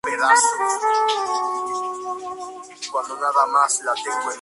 Mientras tanto, Lily y Robin van al bar para una noche de chicas.